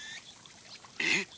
「えっ？」。